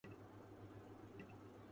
مضبوط باضابطہ سرمایہ کی طرح